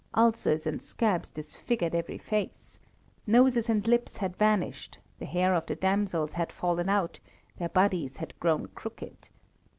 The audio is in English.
Ulcers and scabs disfigured every face. Noses and lips had vanished; the hair of the damsels had fallen out; their bodies had grown crooked.